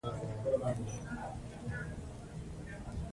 افغانان په هر ډول سختو شرايطو کې د هېواد له ابادۍ نه ناهیلي کېږي.